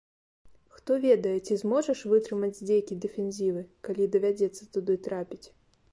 Хто ведае, ці зможаш вытрымаць здзекі дэфензівы, калі давядзецца туды трапіць?